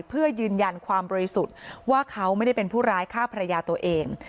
เพื่อยืนยันความบริสุทธิ์ว่าเขาไม่ได้เป็นผู้ร้ายฆ่าภรรยาตัวเอง